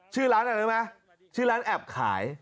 ชื่อร้านอะไรรู้ไหมชื่อร้านแอบขาย